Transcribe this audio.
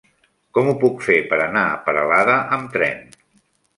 Com ho puc fer per anar a Peralada amb tren?